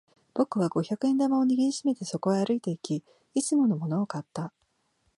僕は五百円玉を握り締めてそこへ歩いていき、いつものものを買った。